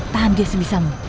tahan dia sebisamu